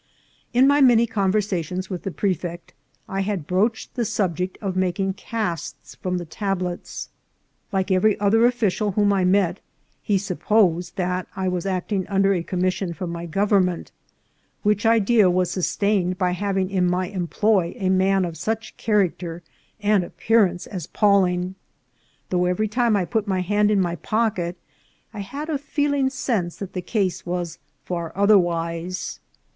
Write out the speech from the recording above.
In my many conversations with the prefect I had broached the subject of making casts from the tablets. Like every other official whom I met, he supposed that I was acting under a commission from my government, which idea was sustained by having in my employ a man of such character and appearance as Pawling, though every time I put my hand in my pocket I had a feeling sense that the case was far otherwise.